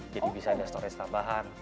jadi bisa ada storage tambahan